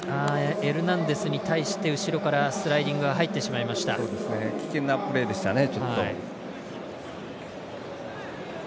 エルナンデスに対して後ろからスライディングが危険なプレーでしたね。